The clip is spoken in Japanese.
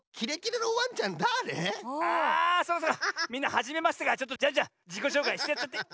みんなはじめましてだからジャンジャンじこしょうかいしてやっちゃって。